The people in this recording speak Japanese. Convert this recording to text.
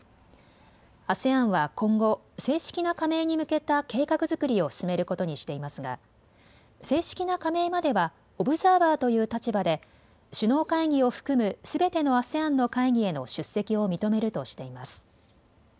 ＡＳＥＡＮは今後、正式な加盟に向けた計画作りを進めることにしていますが正式な加盟まではオブザーバーという立場で首脳会議を含むすべてのＡＳＥＡＮの会議への出席を認めるとしています。